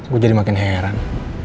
gue jadi makin heran